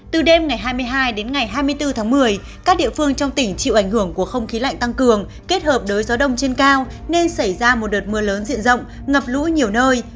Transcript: từ đêm ngày hai mươi hai đến ngày hai mươi bốn tháng một mươi các địa phương trong tỉnh chịu ảnh hưởng của không khí lạnh tăng cường kết hợp đới gió đông trên cao nên xảy ra một đợt mưa lớn diện rộng ngập lũ nhiều nơi